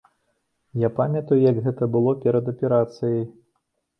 Я памятаю, як гэта было перад аперацыяй.